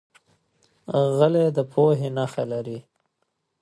غلی، د پوهې نښه لري.